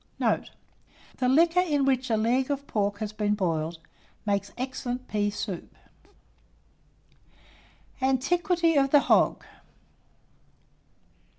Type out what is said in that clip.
Note. The liquor in which a leg of pork has been boiled, makes excellent pea soup. ANTIQUITY OF THE HOG.